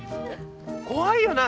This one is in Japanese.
怖いよな